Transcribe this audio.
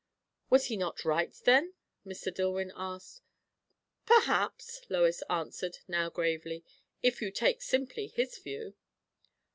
"Was he not right, then?" Mr. Dillwyn asked. "Perhaps," Lois answered, now gravely, "if you take simply his view."